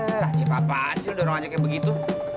eh cipapaan sih lo dorong aja kaya begitu